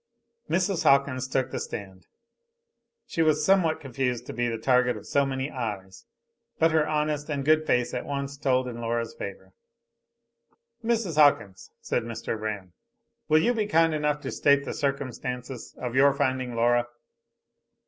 Mrs. Hawkins took the stand. She was somewhat confused to be the target of so many, eyes, but her honest and good face at once told in Laura's favor. "Mrs. Hawkins," said Mr. Braham, "will you' be kind enough to state the circumstances of your finding Laura?"